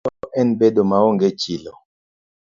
Richo en bedo maonge chilo.